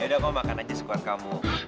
yaudah kamu makan aja sekuat kamu